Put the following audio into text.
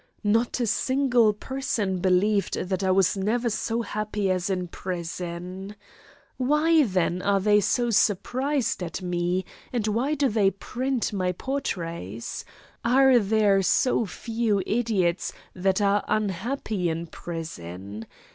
Not a single person believed that I was never so happy as in prison. Why, then, are they so surprised at me, and why do they print my portraits? Are there so few idiots that are unhappy in prison?